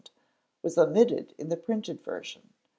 was omitted in the printed version.